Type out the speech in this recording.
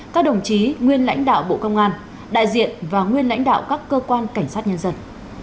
các đồng chí nguyên lãnh đạo bộ công an đại diện và nguyên lãnh đạo các cơ quan cảnh sát nhân dân